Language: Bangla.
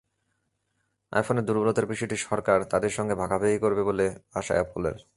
আইফোনের দুর্বলতার বিষয়টি সরকার তাদের সঙ্গে ভাগাভাগি করবে বলে আশা অ্যাপলের।